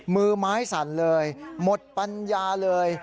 มือไม้สั่นเลยหมดปัญญาเลย